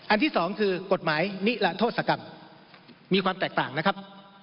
ที่สองคือกฎหมายนิรโทษกรรมมีความแตกต่างนะครับ